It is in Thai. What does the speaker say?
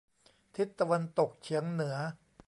ทิศตะวันตกเฉียงเหนือ